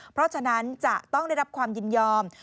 เพราะฉะนั้นจะต้องได้รับความยินยอม